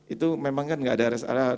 itu memang kan nggak ada res area